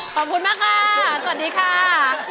ขอบคุณมากค่ะสวัสดีค่ะ